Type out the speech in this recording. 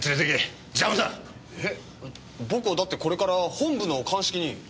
僕はだってこれから本部の鑑識に。